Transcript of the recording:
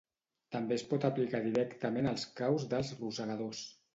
També es pot aplicar directament als caus dels rosegadors.